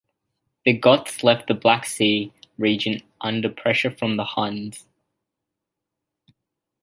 The Goths left the Black Sea region under pressure from the Huns.